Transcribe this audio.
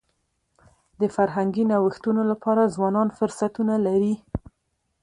د فرهنګي نوښتونو لپاره ځوانان فرصتونه لري.